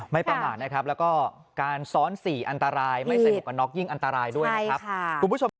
ไม่ประมาณนะครับแล้วก็การซ้อนสี่อันตรายไม่ใส่หูก็น็อกยิ่งอันตรายด้วยนะครับ